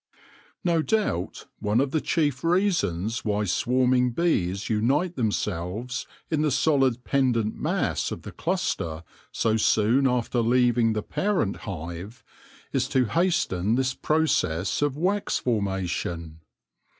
No doubt one of the chief reasons why swarming bees unite themselves in the solid pendant mass of the cluster so soon after leaving the parent hive, is to hasten this process of wax formation.